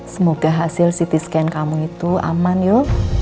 semoga hasil ct scan kamu itu aman yuk